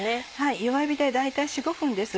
弱火で大体４５分です。